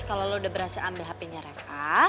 kalo lo udah berhasil ambil hp nya reva